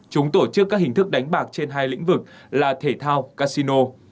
chúng tổ chức các hình thức đánh bạc trên hai lĩnh vực là thể thao casino